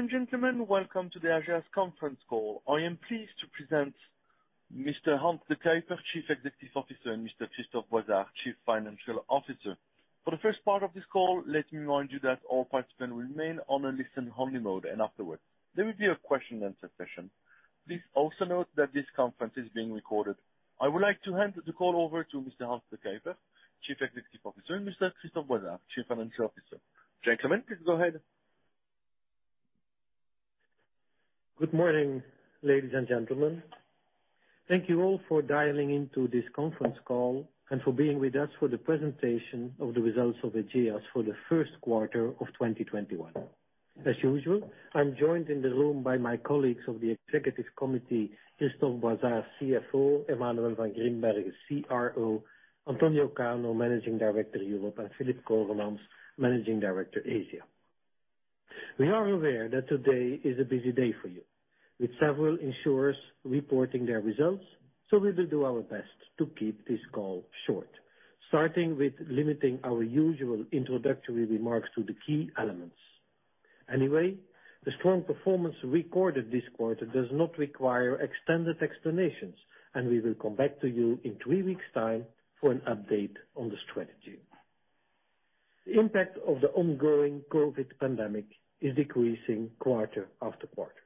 Ladies and gentlemen, welcome to the ageas conference call. I am pleased to present Mr. Hans De Cuyper, Chief Executive Officer, and Mr. Christophe Boizard, Chief Financial Officer. For the first part of this call, let me remind you that all participants will remain on a listen-only mode, and afterwards, there will be a question and answer session. Please also note that this conference is being recorded. I would like to hand the call over to Mr. Hans De Cuyper, Chief Executive Officer, and Mr. Christophe Boizard, Chief Financial Officer. Gentlemen, please go ahead. Good morning, ladies and gentlemen. Thank you all for dialing into this conference call and for being with us for the presentation of the results of ageas for the first quarter of 2021. As usual, I'm joined in the room by my colleagues of the executive committee, Christophe Boizard, CFO, Emmanuel Van Grimbergen, CRO, Antonio Cano, Managing Director, Europe, Filip Coremans, Managing Director, Asia. We are aware that today is a busy day for you, with several insurers reporting their results, so we will do our best to keep this call short, starting with limiting our usual introductory remarks to the key elements. Anyway, the strong performance recorded this quarter does not require extended explanations, and we will come back to you in three weeks' time for an update on the strategy. The impact of the ongoing COVID pandemic is decreasing quarter after quarter.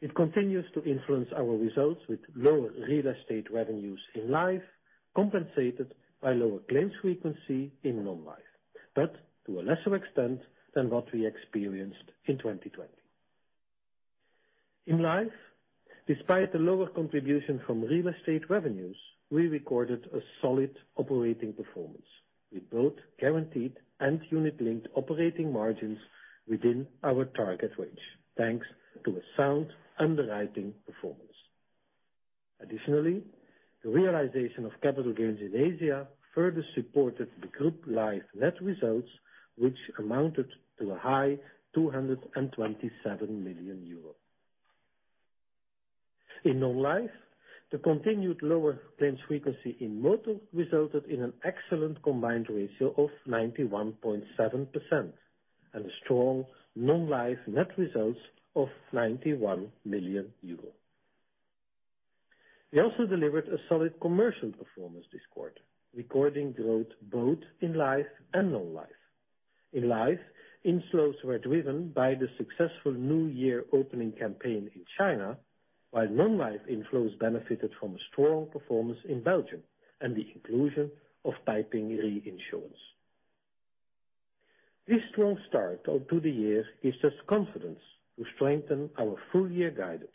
It continues to influence our results with lower real estate revenues in life, compensated by lower claims frequency in non-life, but to a lesser extent than what we experienced in 2020. In life, despite the lower contribution from real estate revenues, we recorded a solid operating performance with both guaranteed and unit-linked operating margins within our target range, thanks to a sound underwriting performance. Additionally, the realization of capital gains in Asia further supported the group life net results, which amounted to a high 227 million euros. In non-life, the continued lower claims frequency in motor resulted in an excellent combined ratio of 91.7% and strong non-life net results of 91 million euros. We also delivered a solid commercial performance this quarter, recording growth both in life and non-life. In life, inflows were driven by the successful new year opening campaign in China, while non-life inflows benefited from a strong performance in Belgium and the inclusion of Taiping Reinsurance. This strong start to the year gives us confidence to strengthen our full year guidance.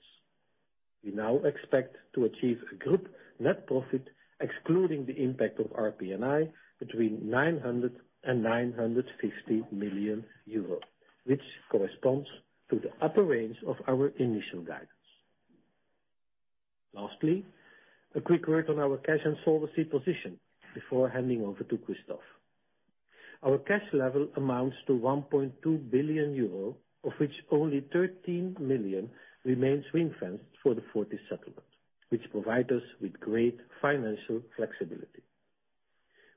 We now expect to achieve a group net profit excluding the impact of RPN(I) between 900 million euro and 950 million euros, which corresponds to the upper range of our initial guidance. Lastly, a quick word on our cash and solvency position before handing over to Christophe. Our cash level amounts to 1.2 billion euro, of which only 13 million remains ring-fenced for the Fortis settlement, which provide us with great financial flexibility.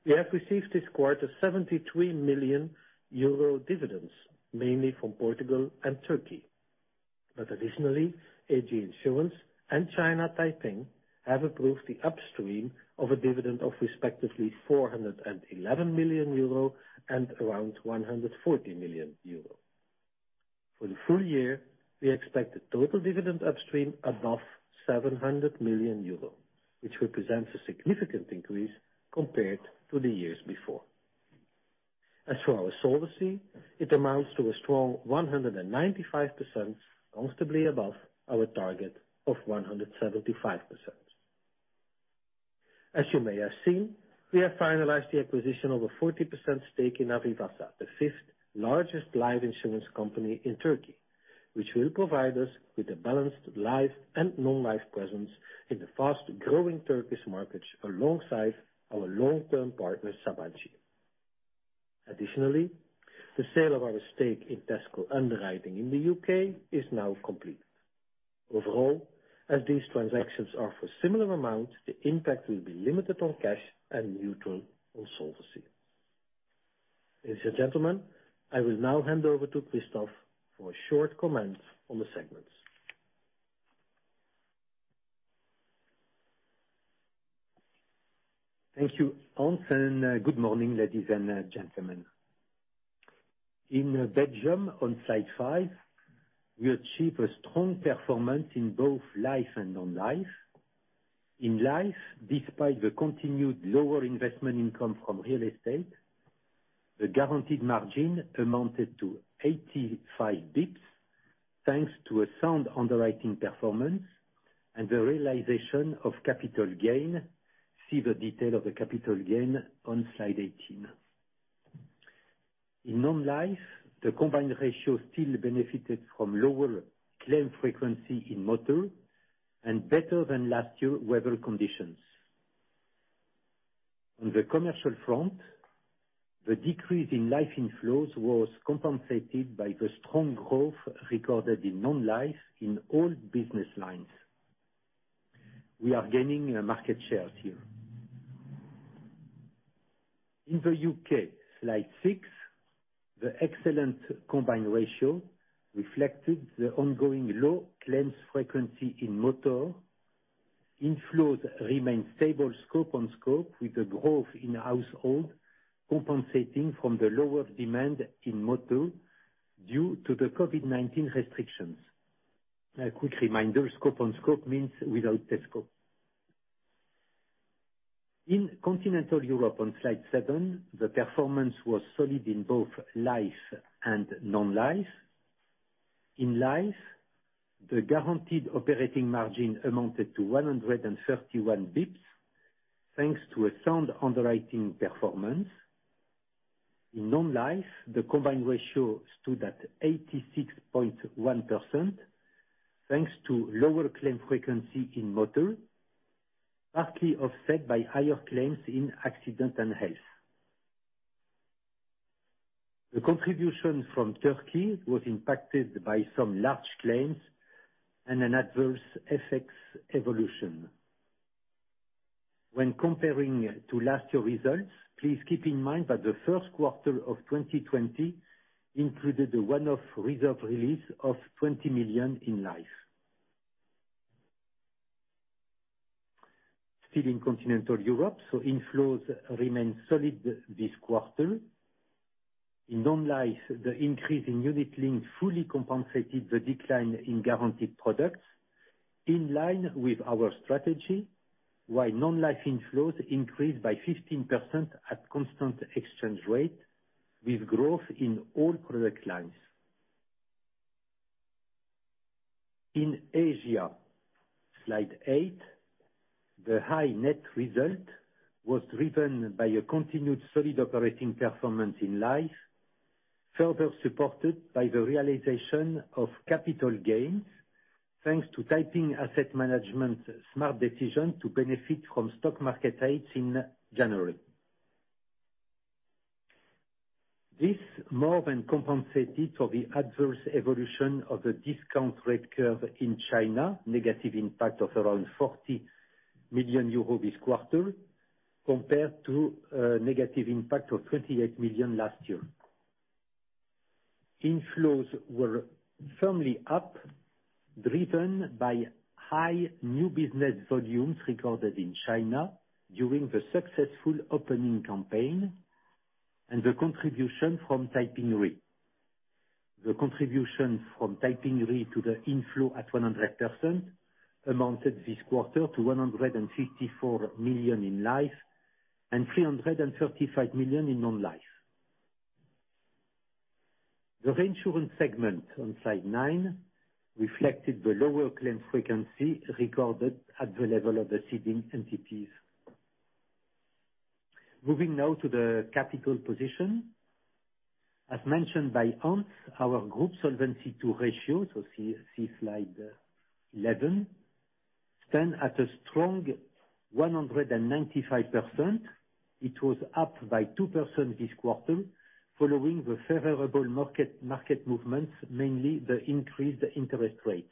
We have received this quarter 73 million euro dividends, mainly from Portugal and Turkey. Additionally, AG Insurance and China Taiping have approved the upstream of a dividend of respectively 411 million euro and around 140 million euro. For the full year, we expect the total dividend upstream above 700 million euro, which represents a significant increase compared to the years before. As for our solvency, it amounts to a strong 195%, comfortably above our target of 175%. As you may have seen, we have finalized the acquisition of a 40% stake in AvivaSA, the fifth-largest life insurance company in Turkey, which will provide us with a balanced life and non-life presence in the fast-growing Turkish markets alongside our long-term partner, Sabancı. Additionally, the sale of our stake in Tesco Underwriting in the U.K. is now complete. Overall, as these transactions are for similar amounts, the impact will be limited on cash and neutral on solvency. Ladies and gentlemen, I will now hand over to Christophe for a short comment on the segments. Thank you, Hans. Good morning, ladies and gentlemen. In Belgium, on slide five, we achieved a strong performance in both life and non-life. In life, despite the continued lower investment income from real estate, the guaranteed margin amounted to 85 basis points, thanks to a sound underwriting performance and the realization of capital gain. See the detail of the capital gain on slide 18. In non-life, the combined ratio still benefited from lower claim frequency in motor and better-than-last-year weather conditions. On the commercial front, the decrease in life inflows was compensated by the strong growth recorded in non-life in all business lines. We are gaining market shares here. In the U.K., slide six, the excellent combined ratio reflected the ongoing low claims frequency in motor. Inflows remain stable scope on scope with the growth in household compensating from the lower demand in motor due to the COVID-19 restrictions. A quick reminder, scope on scope means without Tesco. In Continental Europe, on slide seven, the performance was solid in both life and non-life. In life, the guaranteed operating margin amounted to 131 basis points, thanks to a sound underwriting performance. In non-life, the combined ratio stood at 86.1% thanks to lower claim frequency in motor, partly offset by higher claims in accident and health. The contribution from Turkey was impacted by some large claims and an adverse FX evolution. When comparing to last year results, please keep in mind that the first quarter of 2020 included a one-off reserve release of 20 million in life. Still in Continental Europe, inflows remain solid this quarter. In non-life, the increase in unit link fully compensated the decline in guaranteed products, in line with our strategy, while non-life inflows increased by 15% at constant exchange rate with growth in all product lines. In Asia, slide eight, the high net result was driven by a continued solid operating performance in life, further supported by the realization of capital gains, thanks to Taiping Asset Management's smart decision to benefit from stock market heights in January. This more than compensated for the adverse evolution of the discount rate curve in China, negative impact of around 40 million euro this quarter compared to a negative impact of 28 million last year. Inflows were firmly up, driven by high new business volumes recorded in China during the successful opening campaign and the contribution from Taiping Re. The contribution from Taiping Re to the inflow at 100% amounted this quarter to 154 million in life and 335 million in non-life. The reinsurance segment on slide nine reflected the lower claim frequency recorded at the level of the ceding entities. Moving now to the capital position. As mentioned by Hans, our group Solvency II ratio, so see slide 11, stand at a strong 195%. It was up by 2% this quarter following the favorable market movements, mainly the increased interest rates.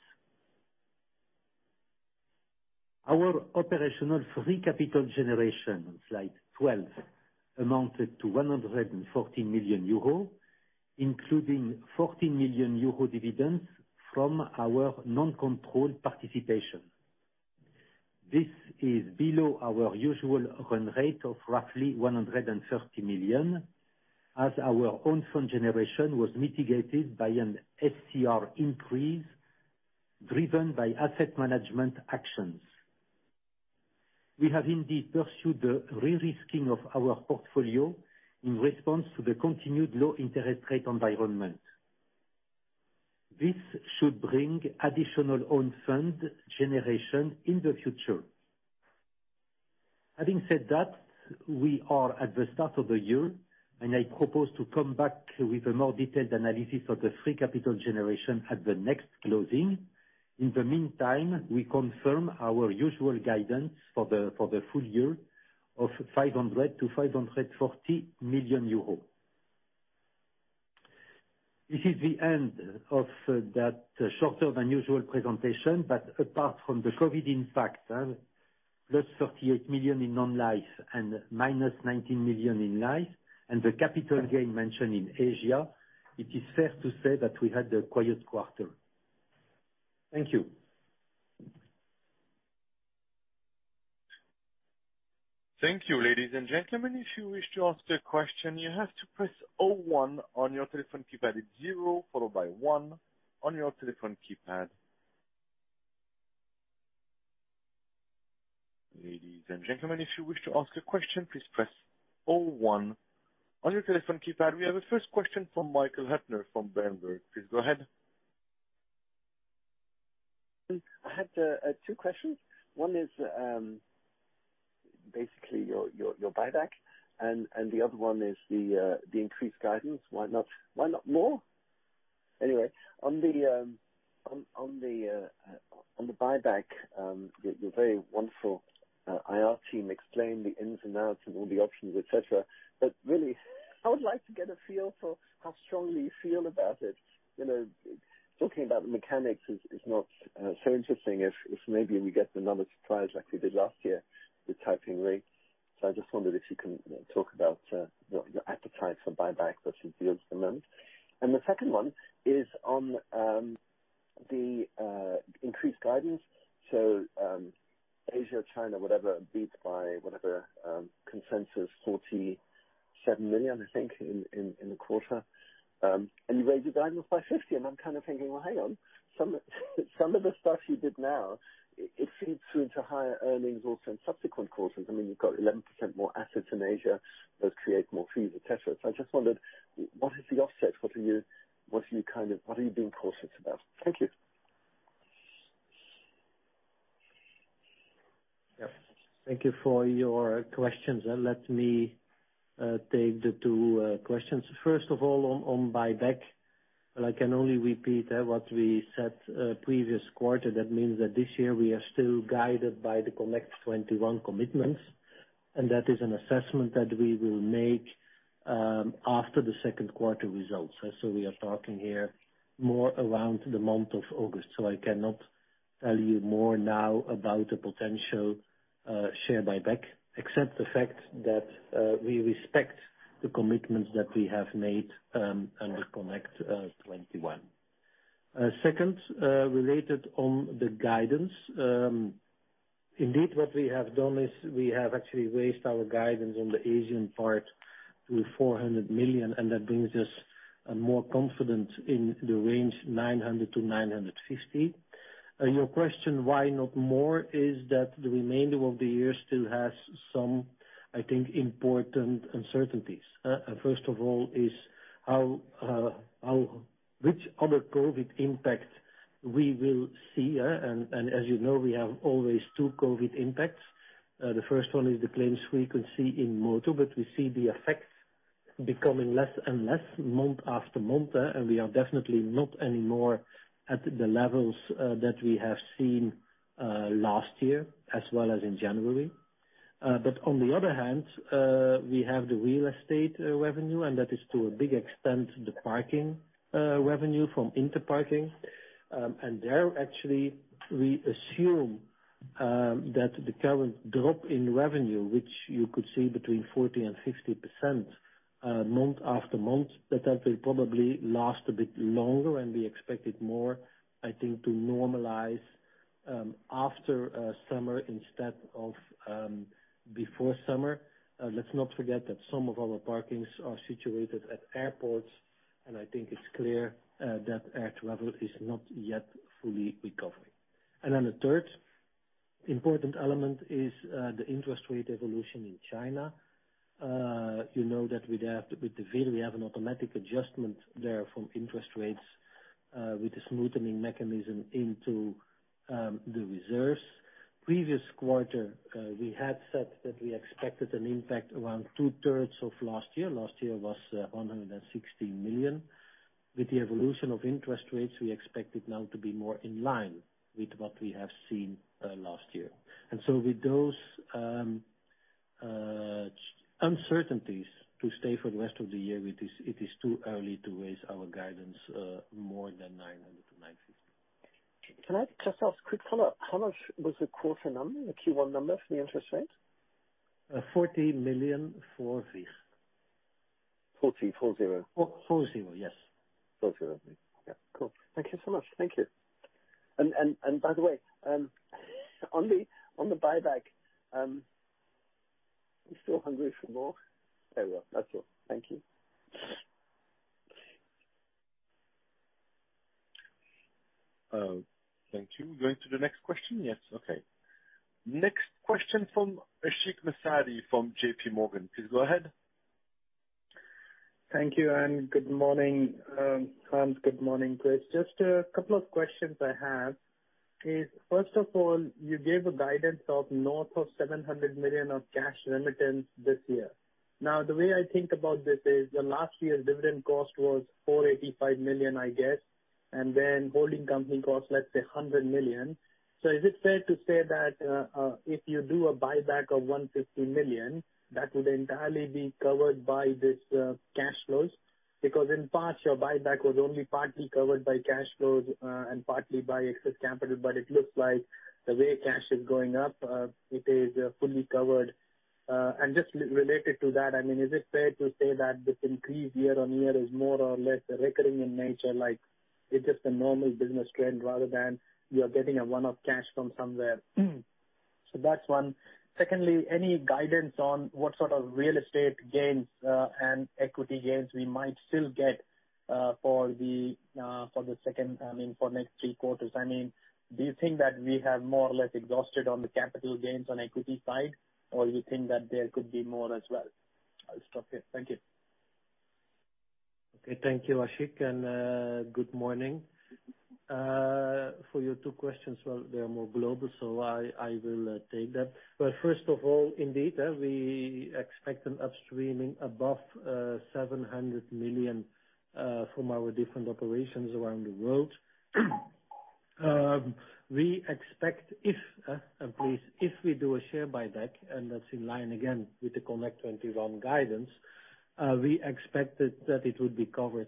Our operational free capital generation, on slide 12, amounted to 114 million euro, including 40 million euro dividends from our non-controlled participation. This is below our usual run rate of roughly 130 million, as our own fund generation was mitigated by an SCR increase driven by asset management actions. We have indeed pursued the re-risking of our portfolio in response to the continued low interest rate environment. This should bring additional own fund generation in the future. Having said that, we are at the start of the year, and I propose to come back with a more detailed analysis of the free capital generation at the next closing. In the meantime, we confirm our usual guidance for the full year of 500 million-540 million euro. This is the end of that shorter than usual presentation, but apart from the COVID impact, +38 million in non-life and -19 million in life, and the capital gain mentioned in Asia, it is fair to say that we had a quiet quarter. Thank you. Thank you, ladies and gentlemen. If you wish to ask a question, you have to press O one on your telephone keypad. It's zero, followed by one on your telephone keypad. Ladies and gentlemen, if you wish to ask a question, please press O one on your telephone keypad. We have a first question from Michael Huttner from Berenberg. Please go ahead. I had two questions. One is basically your buyback, and the other one is the increased guidance. Why not more? On the buyback, your very wonderful IR team explained the ins and outs and all the options, et cetera. Really, I would like to get a feel for how strongly you feel about it, you know. Talking about the mechanics is not so interesting if maybe we get the numbers surprised like we did last year with Taiping Re. I just wondered if you can talk about your appetite for buyback versus yields at the moment. The second one is on the increased guidance. Asia, China, whatever, beat by whatever consensus, 47 million, I think, in the quarter. You raised your guidance by 50. I'm kind of thinking, well, hang on, some of the stuff you did now, it feeds through to higher earnings also in subsequent quarters. You've got 11% more assets in Asia that create more fees, et cetera. I just wondered what is the offset? What are you being cautious about? Thank you. Yep. Thank you for your questions. Let me take the two questions. First of all, on buyback, well, I can only repeat what we said previous quarter. That means that this year we are still guided by the Connect21 commitments, and that is an assessment that we will make after the second quarter results. We are talking here more around the month of August. I cannot tell you more now about a potential share buyback, except the fact that we respect the commitments that we have made under Connect21. Second, related on the guidance. Indeed, what we have done is we have actually raised our guidance on the Asian part to 400 million, and that brings us more confidence in the range 900-950. Your question, why not more, is that the remainder of the year still has some, I think, important uncertainties. First of all is which other COVID impact we will see. As you know, we have always two COVID impacts. The first one is the claims frequency in moto, but we see the effects becoming less and less month after month. We are definitely not anymore at the levels that we have seen last year, as well as in January. On the other hand, we have the real estate revenue, and that is to a big extent, the parking revenue from Interparking. There actually, we assume that the current drop in revenue, which you could see between 40% and 50% month after month, that will probably last a bit longer, and we expect it more, I think, to normalize after summer instead of before summer. Let's not forget that some of our parkings are situated at airports. I think it's clear that air travel is not yet fully recovering. The third important element is the interest rate evolution in China. You know that with the VIR, we have an automatic adjustment there from interest rates, with a smoothening mechanism into the reserves. Previous quarter, we had said that we expected an impact around 2/3 of last year. Last year was 116 million. With the evolution of interest rates, we expect it now to be more in line with what we have seen last year. With those uncertainties to stay for the rest of the year, it is too early to raise our guidance more than 900 million-950 million. Can I just ask quick follow-up? How much was the quarter number, the Q1 number for the interest rate? EUR 40 million, four, zero. Four, zero. Four, zero. Yes. Four, zero. Yeah, cool. Thank you so much. Thank you. By the way, on the buyback, you still hungry for more? Very well. That's all. Thank you. Thank you. Going to the next question? Yes. Okay. Next question from Ashik Musaddi from JPMorgan. Please go ahead. Thank you. Good morning, Hans. Good morning, Chris. Just a couple of questions I have. First of all, you gave a guidance of north of 700 million of cash remittance this year. The way I think about this is, the last year's dividend cost was 485 million, I guess, and holding company cost, let's say 100 million. Is it fair to say that if you do a buyback of 150 million, that would entirely be covered by these cash flows? Because in part, your buyback was only partly covered by cash flows and partly by excess capital, but it looks like the way cash is going up, it is fully covered. Just related to that, is it fair to say that this increase year-on-year is more or less recurring in nature, like it's just a normal business trend rather than you are getting a one-off cash from somewhere? That's one. Secondly, any guidance on what sort of real estate gains and equity gains we might still get for next three quarters? Do you think that we have more or less exhausted on the capital gains on equity side, or you think that there could be more as well? I'll stop here. Thank you. Okay. Thank you, Ashik, and good morning. For your two questions, well, they are more global, I will take that. First of all, indeed, we expect an upstreaming above 700 million from our different operations around the world. We expect if, and please, if we do a share buyback, and that's in line again with the Connect21 guidance, we expected that it would be covered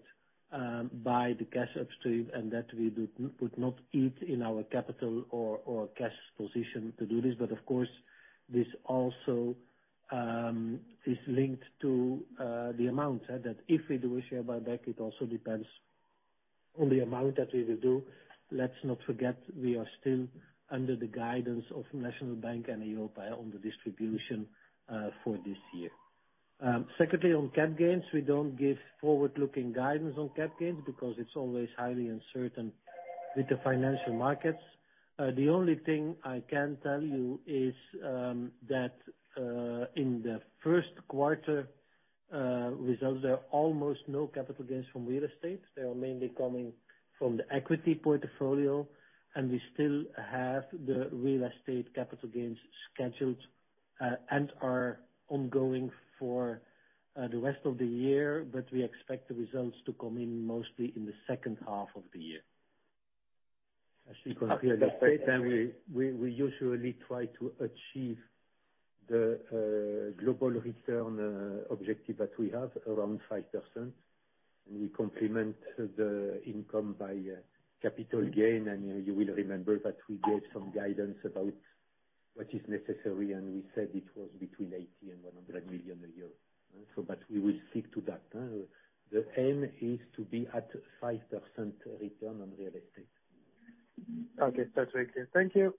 by the cash upstream and that we would not eat in our capital or cash position to do this. Of course, this also is linked to the amount, that if we do a share buyback, it also depends on the amount that we will do. Let's not forget, we are still under the guidance of National Bank of Belgium and EIOPA on the distribution for this year. Secondly, on cap gains, we don't give forward-looking guidance on cap gains because it's always highly uncertain with the financial markets. The only thing I can tell you is that in the first quarter results, there are almost no capital gains from real estate. They are mainly coming from the equity portfolio. We still have the real estate capital gains scheduled and are ongoing for the rest of the year. We expect the results to come in mostly in the second half of the year. As you can hear, the state and we usually try to achieve the global return objective that we have around 5%, and we complement the income by capital gain. You will remember that we gave some guidance about what is necessary, and we said it was between 80 million and 100 million a year. We will stick to that. The aim is to be at 5% return on real estate. Okay. That's very clear. Thank you.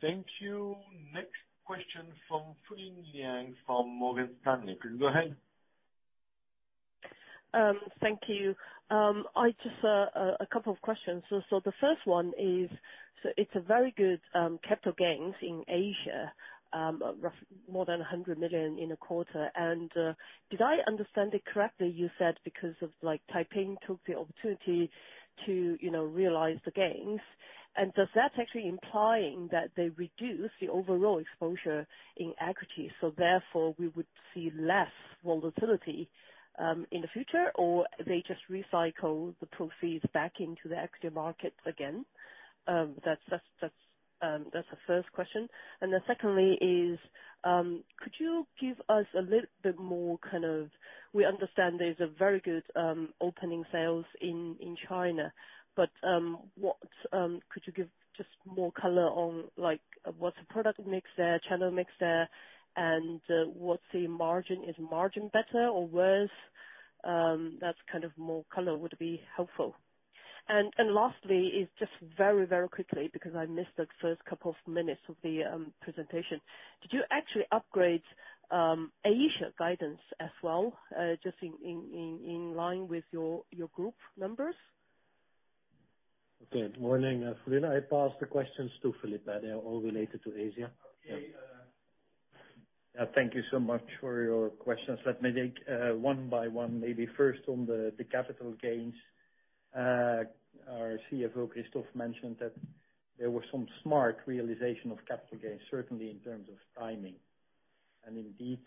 Thank you. Next question from Fulin Liang from Morgan Stanley. Please go ahead. Thank you. Just a couple of questions. The first one is, it's a very good capital gains in Asia, more than 100 million in a quarter. Did I understand it correctly, you said because of like Taiping took the opportunity to realize the gains, does that actually implying that they reduce the overall exposure in equities, therefore we would see less volatility in the future or they just recycle the proceeds back into the equity markets again? That's the first question. Secondly is, could you give us a little bit more kind of, we understand there's a very good opening sales in China, could you give just more color on what's the product mix there, channel mix there, and what's the margin? Is margin better or worse? That's kind of more color would be helpful. Lastly is just very quickly because I missed the first couple of minutes of the presentation. Did you actually upgrade Asia guidance as well, just in line with your group numbers? Okay. Morning, Fulin. I pass the questions to Filip. They are all related to Asia. Okay. Thank you so much for your questions. Let me take one by one, maybe first on the capital gains. Our CFO, Christophe mentioned that there were some smart realization of capital gains, certainly in terms of timing. Indeed,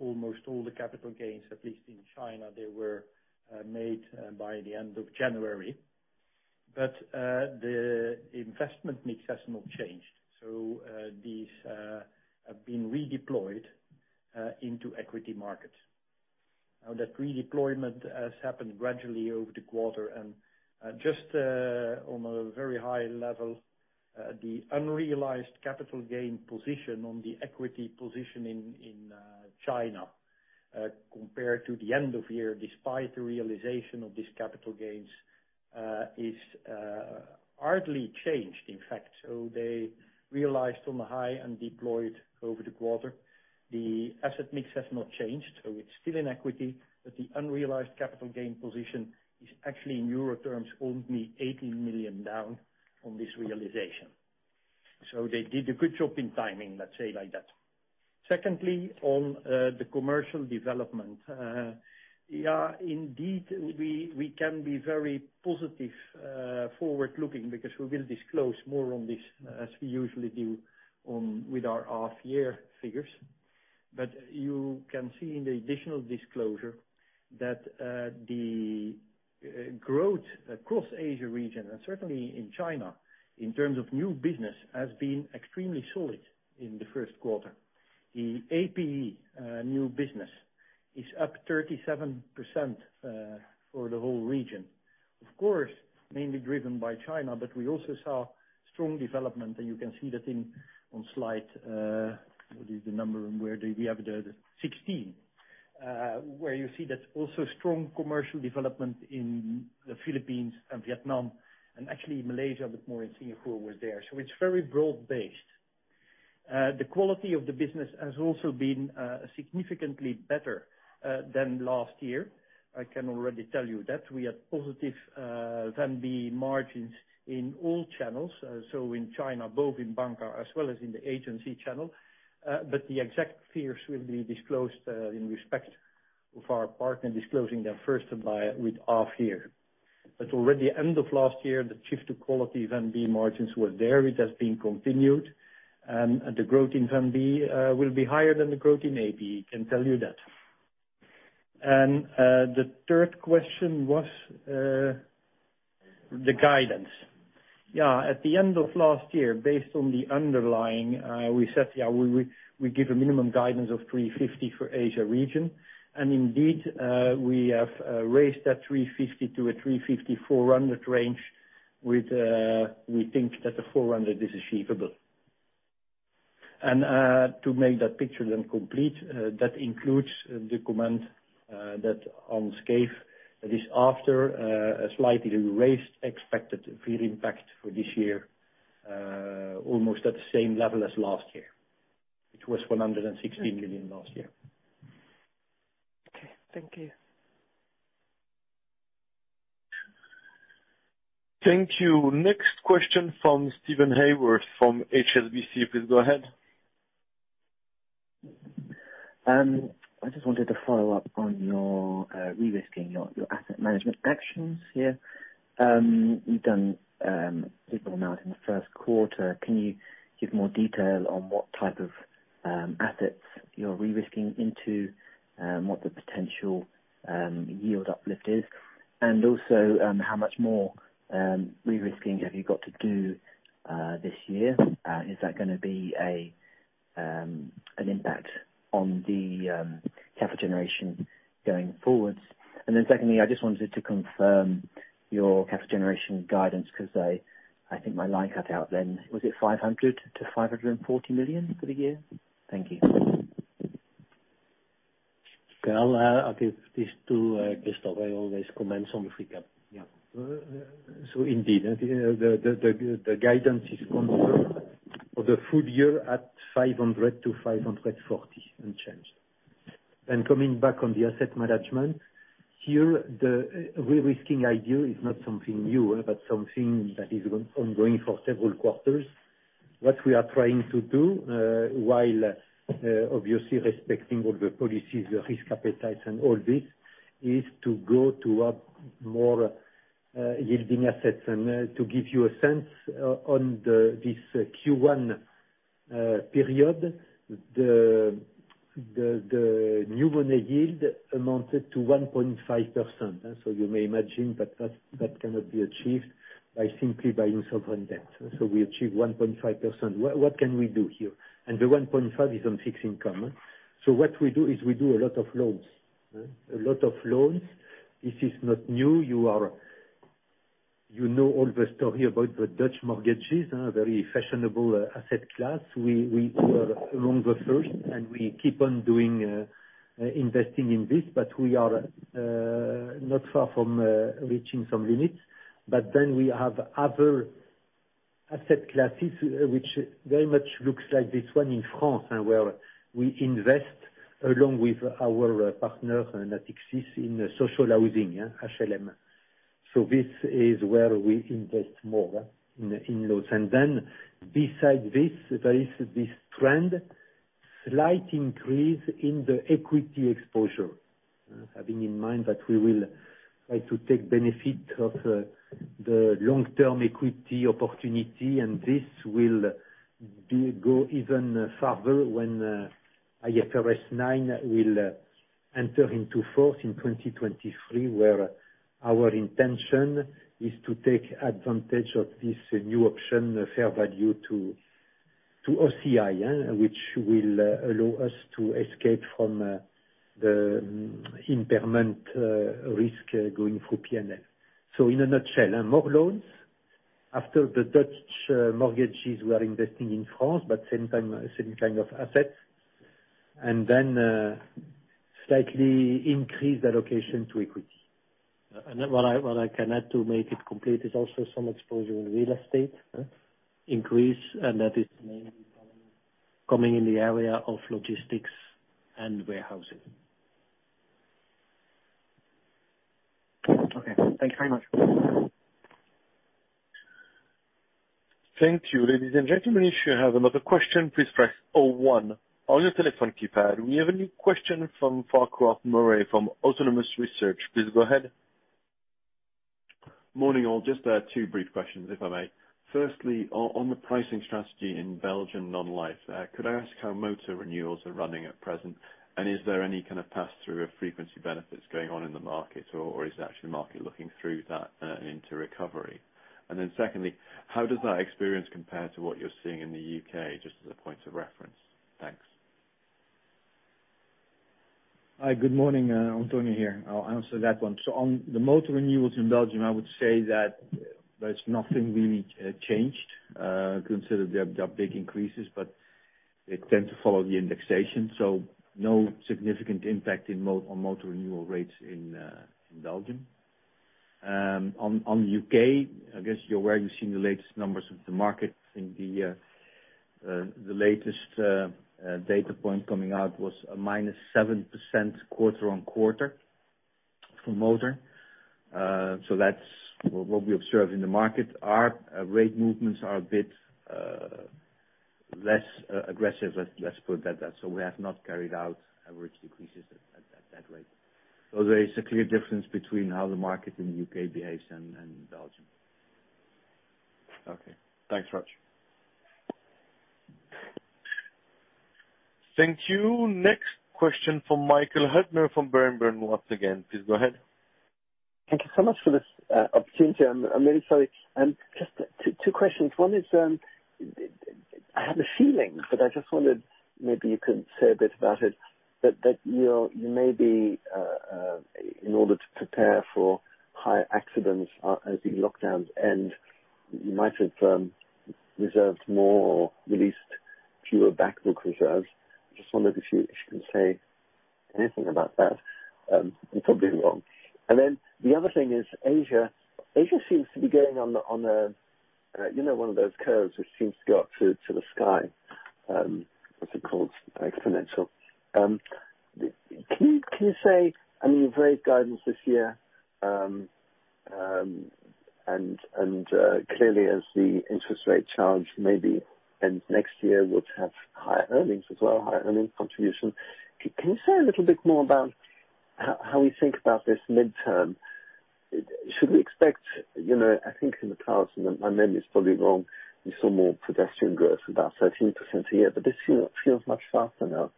almost all the capital gains, at least in China, they were made by the end of January. The investment mix has not changed. These have been redeployed into equity markets. Now that redeployment has happened gradually over the quarter and just on a very high level, the unrealized capital gain position on the equity position in China compared to the end of year despite the realization of these capital gains is hardly changed, in fact. They realized on the high and deployed over the quarter. The asset mix has not changed, so it's still in equity. The unrealized capital gain position is actually in euro terms, only 18 million down on this realization. They did a good job in timing, let's say it like that. Secondly, on the commercial development. Indeed we can be very positive forward-looking because we will disclose more on this as we usually do with our half year figures. You can see in the additional disclosure that the growth across Asia region and certainly in China in terms of new business, has been extremely solid in the first quarter. The APE new business is up 37% for the whole region. Mainly driven by China, but we also saw strong development, and you can see that on slide What is the number and where do we have the 16, where you see that also strong commercial development in the Philippines and Vietnam and actually Malaysia, but more in Singapore was there. It's very broad-based. The quality of the business has also been significantly better than last year. I can already tell you that we had positive VNB margins in all channels. In China, both in banca as well as in the agency channel. The exact figures will be disclosed in respect of our partner disclosing their first half year. Already end of last year, the shift to quality VNB margins were there. It has been continued. The growth in VNB will be higher than the growth in APE, I can tell you that. The third question was the guidance. Yeah, at the end of last year, based on the underlying, we said we give a minimum guidance of 350 for Asia region. Indeed, we have raised that 350 to a 350-400 range. We think that the 400 is achievable. To make that picture then complete, that includes the comment that Hans gave. That is after a slightly raised expected VIR impact for this year, almost at the same level as last year. Which was 160 million last year. Okay. Thank you. Thank you. Next question from Steven Haywood from HSBC. Please go ahead. I just wanted to follow up on your, rerisking your asset management actions here. You've done a good amount in the first quarter. Can you give more detail on what type of assets you're rerisking into, what the potential yield uplift is, and also how much more rerisking have you got to do this year? Is that going to be an impact on the capital generation going forwards? Secondly, I just wanted to confirm your capital generation guidance, because I think my line cut out then. Was it 500 million-540 million for the year? Thank you. Okay. I'll give this to Christophe. I always comment on the free cap. Yeah. Indeed, the guidance is confirmed for the full year at 500 million-540 million unchanged. Coming back on the asset management, here, the rerisking idea is not something new, but something that is ongoing for several quarters. What we are trying to do, while, obviously respecting all the policies, the risk appetite and all this, is to go toward more yielding assets. To give you a sense on this Q1 period, the new money yield amounted to 1.5%. You may imagine, but that cannot be achieved by simply buying sovereign debt. We achieve 1.5%. What can we do here? The 1.5 is on fixed income. What we do is we do a lot of loans. This is not new. You know all the story about the Dutch mortgages, very fashionable asset class. We were among the first, we keep on investing in this, we are not far from reaching some limits. We have other asset classes, which very much looks like this one in France, where we invest along with our partner, Natixis, in social housing, HLM. This is where we invest more in loans. Beside this, there is this trend, slight increase in the equity exposure. Having in mind that we will try to take benefit of the long-term equity opportunity, this will go even further when IFRS 9 will enter into force in 2023, where our intention is to take advantage of this new option, fair value to OCI. Which will allow us to escape from the impairment risk going through P&L. In a nutshell, more loans after the Dutch mortgages we are investing in France, but same kind of assets. Then slightly increase the allocation to equity. What I can add to make it complete is also some exposure in real estate increase, and that is mainly coming in the area of logistics and warehousing. Okay. Thank you very much. Thank you. Ladies and gentlemen, if you have another question, please press O one on your telephone keypad. We have a new question from Farquhar Murray from Autonomous Research. Please go ahead. Morning, all. Just two brief questions, if I may. Firstly, on the pricing strategy in Belgium non-life, could I ask how motor renewals are running at present? Is there any kind of pass-through of frequency benefits going on in the market, or is the actual market looking through that into recovery? Secondly, how does that experience compare to what you're seeing in the U.K., just as a point of reference? Thanks. Hi. Good morning. Antonio here. I'll answer that one. On the motor renewals in Belgium, I would say that there's nothing really changed, considering there are big increases, but they tend to follow the indexation. No significant impact on motor renewal rates in Belgium. On the U.K., I guess you're aware you've seen the latest numbers of the market. I think the latest data point coming out was a -7% quarter-on-quarter for motor. That's what we observe in the market. Our rate movements are a bit less aggressive, let's put it that. We have not carried out average decreases at that rate. There is a clear difference between how the market in the U.K. behaves and Belgium. Okay. Thanks very much. Thank you. Next question from Michael Huttner from Berenberg, once again. Please go ahead. Thank you so much for this opportunity. I'm really sorry. Just two questions. One is, I have a feeling, but I just wondered maybe you could say a bit about it, that you may be, in order to prepare for higher accidents as the lockdowns end, you might have reserved more or released fewer back book reserves. Just wondered if you can say anything about that. I'm probably wrong. Then the other thing is Asia. Asia seems to be going on one of those curves which seems to go up to the sky. What's it called? Exponential. Can you say, I mean, you've raised guidance this year, and clearly as the interest rate challenge maybe ends next year, would have higher earnings as well, higher earnings contribution. Can you say a little bit more about how we think about this midterm? Should we expect, I think in the past, and I remember it is probably wrong, we saw more pedestrian growth, about 13% a year, but this feels much faster now.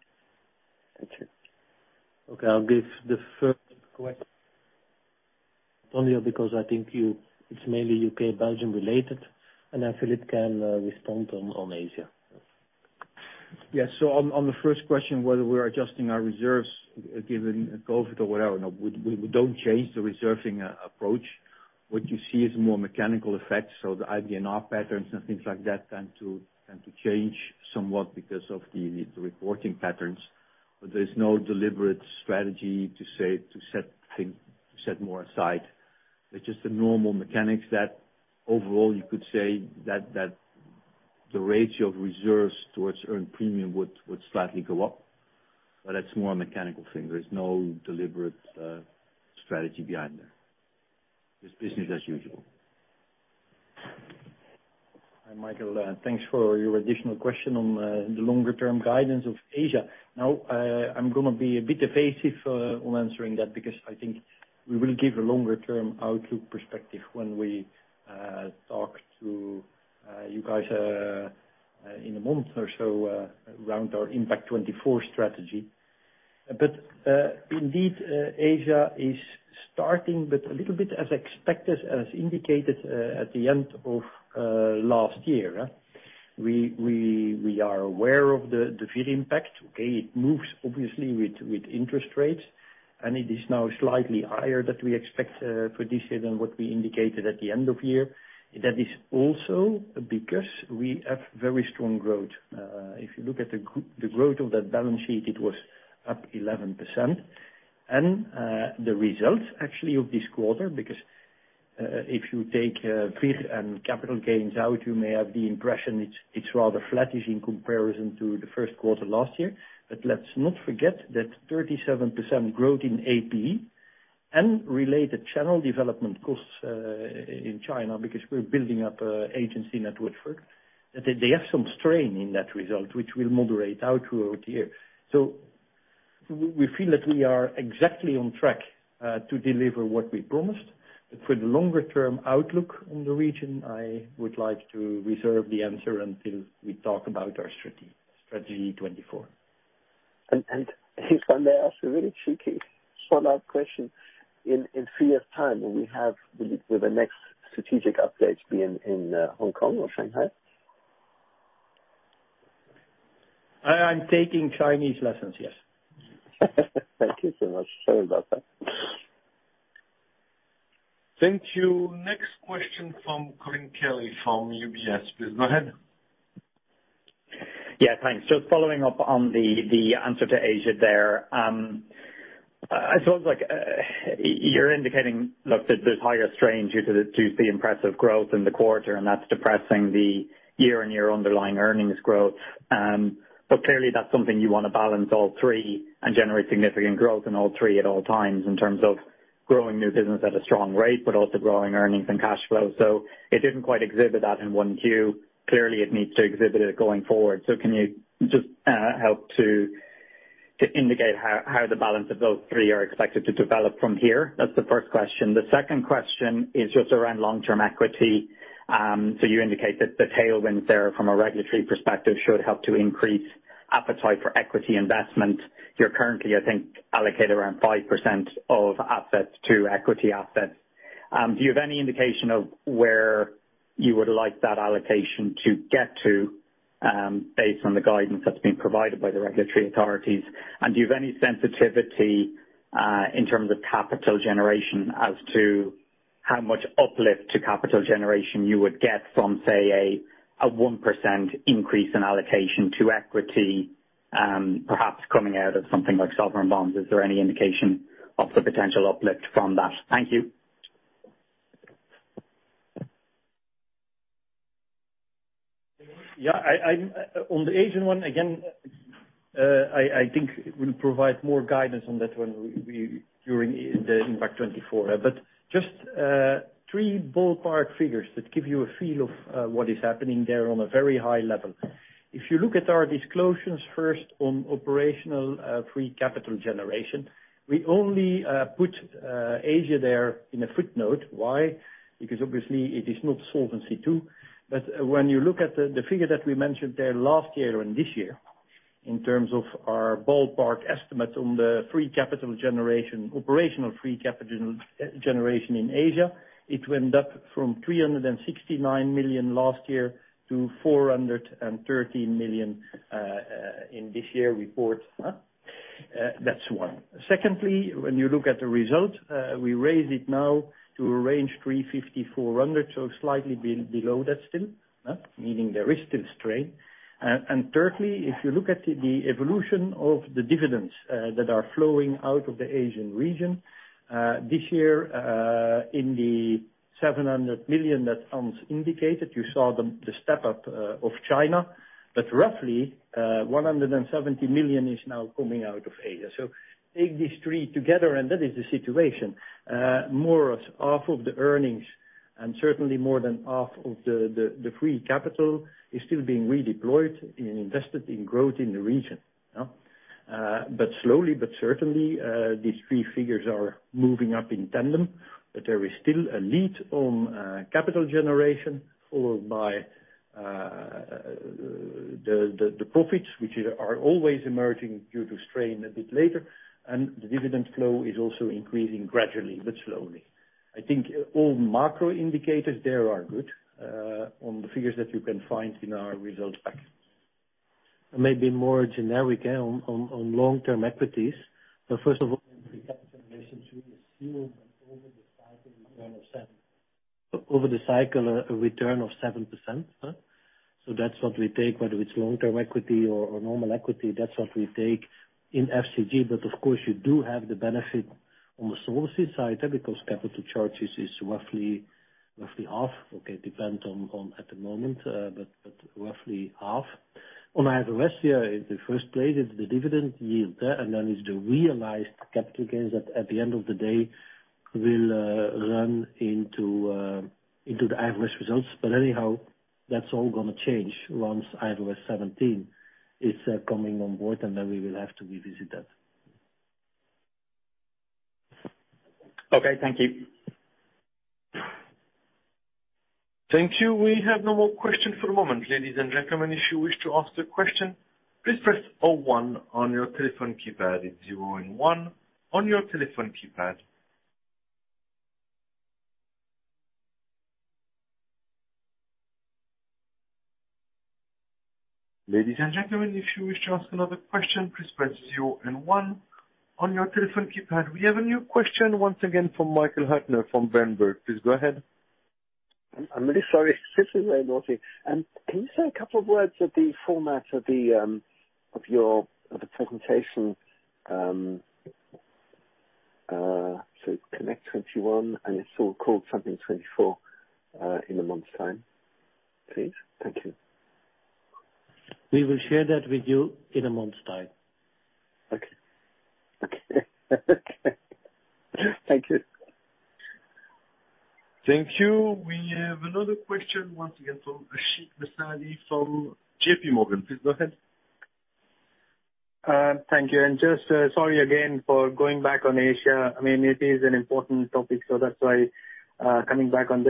Thank you. Okay. I'll give the first question to Antonio because I think it's mainly U.K. Belgium related, and Filip can respond on Asia. On the first question, whether we're adjusting our reserves given COVID or whatever, no, we don't change the reserving approach. What you see is more mechanical effects. The IBNR patterns and things like that tend to change somewhat because of the reporting patterns. There's no deliberate strategy to set more aside. It's just the normal mechanics that overall you could say that the ratio of reserves towards earned premium would slightly go up. That's more a mechanical thing. There's no deliberate strategy behind there. Just business as usual. Hi, Michael. Thanks for your additional question on the longer term guidance of Asia. Now, I'm going to be a bit evasive on answering that because I think we will give a longer term outlook perspective when we talk to you guys in a month or so around our Impact24 strategy. Indeed, Asia is starting, but a little bit as expected, as indicated at the end of last year. We are aware of the VIR impact. Okay. It moves obviously with interest rates, and it is now slightly higher that we expect for this year than what we indicated at the end of year. That is also because we have very strong growth. If you look at the growth of that balance sheet, it was up 11%. The results actually of this quarter, because if you take VIR and capital gains out, you may have the impression it's rather flattish in comparison to the first quarter last year. Let's not forget that 37% growth in APE and related channel development costs in China, because we're building up agency network. That they have some strain in that result, which will moderate out throughout the year. We feel that we are exactly on track to deliver what we promised. For the longer term outlook on the region, I would like to reserve the answer until we talk about our Strategy '24. Can I ask a really cheeky follow-up question? In three years time, will we have the next strategic updates be in Hong Kong or Shanghai? I am taking Chinese lessons, yes. Thank you so much. Sorry about that. Thank you. Next question from Colm Kelly from UBS. Please go ahead. Yeah, thanks. Just following up on the answer to Asia there. I suppose you're indicating, look, there's higher strains due to the impressive growth in the quarter, and that's depressing the year-on-year underlying earnings growth. Clearly that's something you want to balance all three and generate significant growth in all three at all times in terms of growing new business at a strong rate, but also growing earnings and cash flow. It didn't quite exhibit that in Q1. Clearly, it needs to exhibit it going forward. Can you just help to indicate how the balance of those three are expected to develop from here? That's the first question. The second question is just around long-term equity. You indicate that the tailwinds there from a regulatory perspective should help to increase appetite for equity investment. You're currently, I think, allocated around 5% of assets to equity assets. Do you have any indication of where you would like that allocation to get to, based on the guidance that's been provided by the regulatory authorities? Do you have any sensitivity, in terms of capital generation as to how much uplift to capital generation you would get from, say, a 1% increase in allocation to equity, perhaps coming out of something like sovereign bonds? Is there any indication of the potential uplift from that? Thank you. Yeah. On the Asian one, again, I think we'll provide more guidance on that during the Impact24. Just three ballpark figures that give you a feel of what is happening there on a very high level. If you look at our disclosures first on operational free capital generation, we only put Asia there in a footnote. Why? Because obviously it is not Solvency II. When you look at the figure that we mentioned there last year and this year. In terms of our ballpark estimates on the operational free capital generation in Asia, it went up from 369 million last year to 413 million in this year's report. That's one. Secondly, when you look at the result, we raise it now to a range 350-400, slightly below that still. Meaning there is still strain. Thirdly, if you look at the evolution of the dividends that are flowing out of the Asian region, this year, in the 700 million that Hans indicated, you saw the step-up of China, but roughly 170 million is now coming out of Asia. Take these three together, and that is the situation. More of half of the earnings and certainly more than half of the free capital is still being redeployed and invested in growth in the region. Slowly but certainly, these three figures are moving up in tandem, but there is still a lead on capital generation followed by the profits, which are always emerging due to strain a bit later, and the dividend flow is also increasing gradually but slowly. I think all macro indicators there are good on the figures that you can find in our results back. Maybe more generic on long-term equities. First of all, in free cash generations we assume over the cycle a return of 7%. That's what we take, whether it's long-term equity or normal equity, that's what we take in FCG. Of course, you do have the benefit on the sources side because capital charges is roughly half. Okay, it depends on at the moment, roughly half. On IFRS this year in the first place, it's the dividend yield, and then it's the realized capital gains that at the end of the day will run into the IFRS results. Anyhow, that's all going to change once IFRS 17 is coming on board, and then we will have to revisit that. Okay. Thank you. Thank you. We have no more questions for the moment. Ladies and gentlemen, if you wish to ask a question, please press O one on your telephone keypad if you [inaudible] on your telephone keypad. We have a new question once again from Michael Huttner from Berenberg. Please go ahead. I'm really sorry. This is very naughty. Can you say a couple of words of the format of your presentation, so Connect21, and it's all called Impact24, in a month's time, please. Thank you. We will share that with you in a month's time. Okay. Thank you. Thank you. We have another question once again from Ashik Musaddi from JPMorgan. Please go ahead. Thank you. Just sorry again for going back on Asia. It is an important topic, so that's why coming back on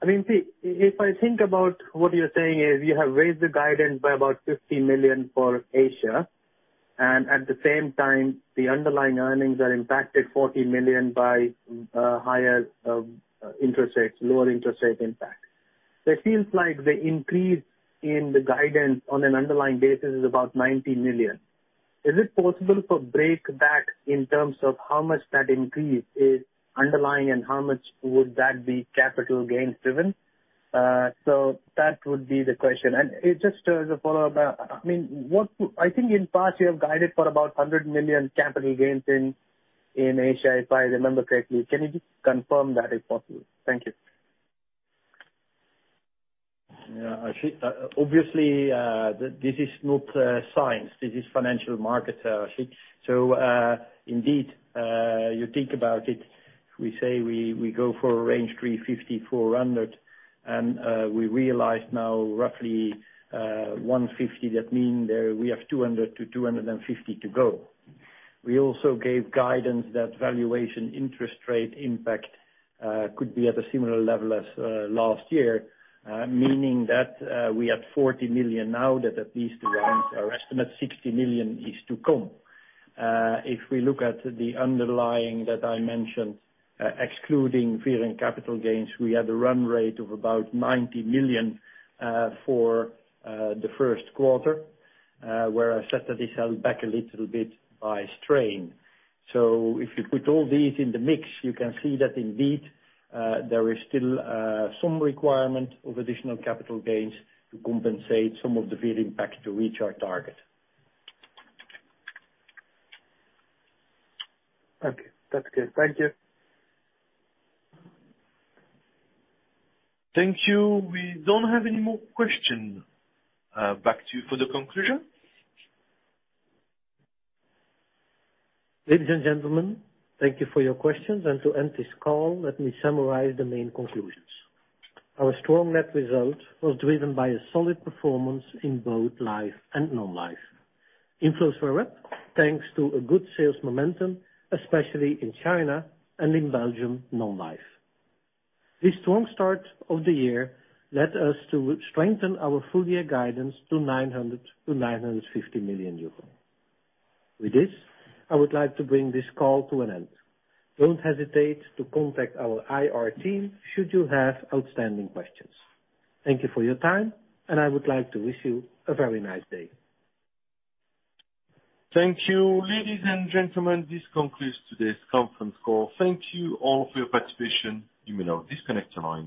that. If I think about what you're saying is you have raised the guidance by about 50 million for Asia, and at the same time, the underlying earnings are impacted 40 million by higher interest rates, lower interest rate impact. It feels like the increase in the guidance on an underlying basis is about 90 million. Is it possible for break back in terms of how much that increase is underlying and how much would that be capital gains-driven? That would be the question. Just as a follow-up, I think in the past, you have guided for about 100 million capital gains in Asia, if I remember correctly. Can you just confirm that if possible? Thank you. Ashik, obviously, this is not science. This is financial markets, Ashik. Indeed, you think about it, we say we go for a range 350-400, and we realized now roughly 150. That means we have 200-250 to go. We also gave guidance that valuation interest rate impact could be at a similar level as last year, meaning that we had 40 million now that at least to our estimate, 60 million is to come. If we look at the underlying that I mentioned, excluding fair and capital gains, we had a run rate of about 90 million for the first quarter, where I said that this held back a little bit by strain. If you put all these in the mix, you can see that indeed, there is still some requirement of additional capital gains to compensate some of the VIR impact to reach our target. Okay. That's good. Thank you. Thank you. We don't have any more questions. Back to you for the conclusion. Ladies and gentlemen, thank you for your questions, and to end this call, let me summarize the main conclusions. Our strong net result was driven by a solid performance in both life and non-life. Inflows were up, thanks to a good sales momentum, especially in China and in Belgium non-life. This strong start of the year led us to strengthen our full-year guidance to 900 million-950 million euro. With this, I would like to bring this call to an end. Don't hesitate to contact our IR team should you have outstanding questions. Thank you for your time, and I would like to wish you a very nice day. Thank you. Ladies and gentlemen, this concludes today's conference call. Thank you all for your participation. You may now disconnect your lines.